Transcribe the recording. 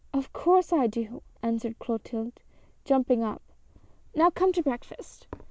" Of course I do !" answered Clotilde, jumping up ; "now come to breakfast!"